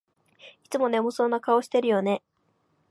いつも眠そうな顔してるよね